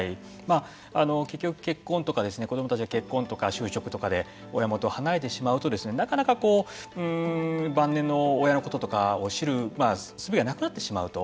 結局結婚とか子どもたちが結婚とか就職とかで親元を離れてしまうとなかなか晩年の親のこととかを知るすべがなくなってしまうと。